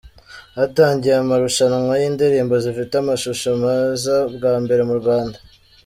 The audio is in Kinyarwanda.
Hatangiye amarushanwa y’indirimbo zifite amashusho meza bwa mbere mu Rwanda